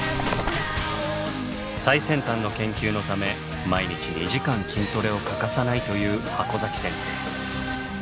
最先端の研究のため毎日２時間筋トレを欠かさないという箱先生。